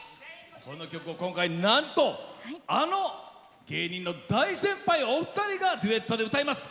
この曲を今回なんとあの芸人の大先輩お二人がデュエットで歌います。